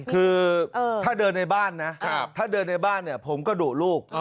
คือถ้าเดินในบ้านนะถ้าเดินในบ้านเนี่ยผมก็ดุลูก